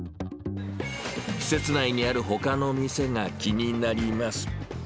施設内にあるほかの店が気になります。